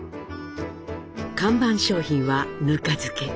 看板商品はぬか漬け。